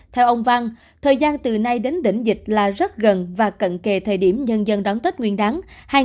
theo ông văn thời gian từ nay đến đỉnh dịch là rất gần và cận kề thời điểm nhân dân đón tết nguyên đáng hai nghìn hai mươi bốn